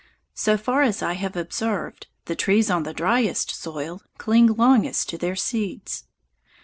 So far as I have observed, the trees on the driest soil cling longest to their seeds.